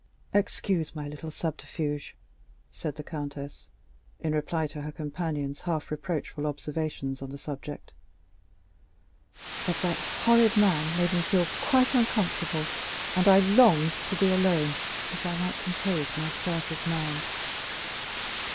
"Excuse my little subterfuge," said the countess, in reply to her companion's half reproachful observation on the subject; "but that horrid man had made me feel quite uncomfortable, and I longed to be alone, that I might compose my startled mind."